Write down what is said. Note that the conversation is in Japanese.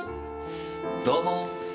どうも！